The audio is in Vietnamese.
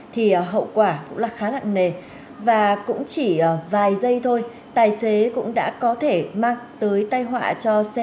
thì hãy đăng ký kênh để ủng hộ kênh của chúng mình nhé